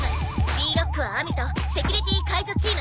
Ｂ−Ｒｏｃｋはアミとセキュリティー解除チーム。